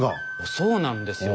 そうなんですよ。